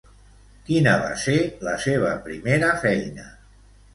Quina va ser la seva primera feina?